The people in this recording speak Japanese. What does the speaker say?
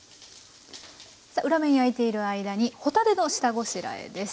裏面焼いている間に帆立ての下ごしらえです。